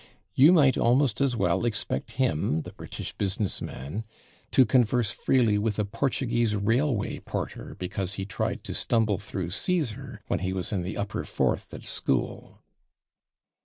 "You might almost as well expect him [the British business man] to converse freely with a Portuguese railway porter because he tried to stumble through Caesar when he was in the Upper Fourth at school."